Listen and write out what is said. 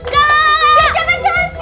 jangan sampai selesai